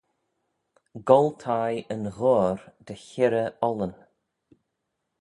Goll thie yn ghoayr dy hirrey ollan